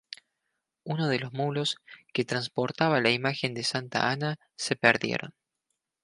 Uno de los mulos, que transportaba la imagen de Santa Ana, se perdieron.